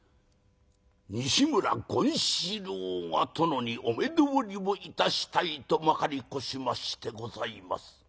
「西村権四郎が殿にお目通りをいたしたいとまかり越しましてございます」。